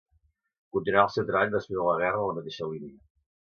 Continuarà el seu treball després de la Guerra en la mateixa línia.